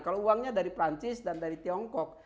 kalau uangnya dari perancis dan dari tiongkok